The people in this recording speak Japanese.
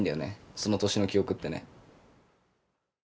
その年の記憶ってね。